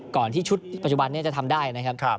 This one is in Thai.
ที่ชุดปัจจุบันนี้จะทำได้นะครับ